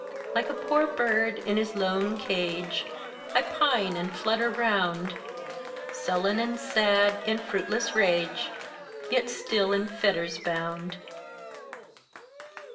Like a poor bird, in his lone cage, I pine and flutter round, Sullen and sad, in fruitless rage, Yet still in fetters bound.